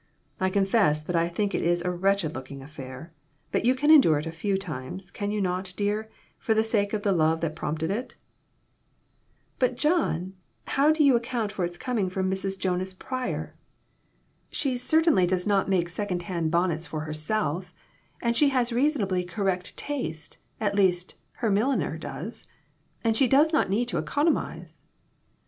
I confess that I think it is a wretched looking affair, but you can endure it a few times, can you not, dear, for the sake of the love that prompted it ?" "But, John, how do you account for its coming from Mrs. Jonas Pryor? She certainly does not BONNETS, AND BURNS, AND BURDENS. 89 make second hand bonnets for herself, and she has reasonably correct taste at least, her mil liner has and she does not need to economize."